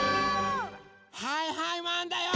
はいはいマンだよ！